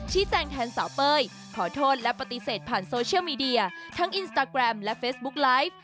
แจ้งแทนสาวเป้ยขอโทษและปฏิเสธผ่านโซเชียลมีเดียทั้งอินสตาแกรมและเฟซบุ๊กไลฟ์